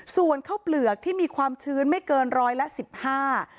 ส่วนข้าวเปลือกที่มีความชื้นไม่เกินร้อยละสิบห้า